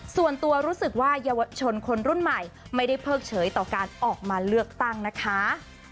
ส่วนตัวรู้สึกว่าเยาวชนคนรุ่นใหม่ไม่ได้เพิกเฉยต่อการออกมาเลือกตั้งนะคะ